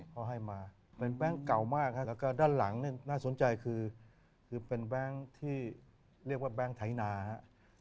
เขาให้มาเป็นแบงค์เก่ามากครับแล้วก็ด้านหลังนี่น่าสนใจคือเป็นแบงค์ที่เรียกว่าแบงค์ไถนาฮะ